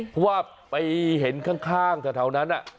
เพราะว่าไปเห็นข้างแถวนั้น